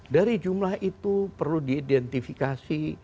dari jumlah itu perlu diidentifikasi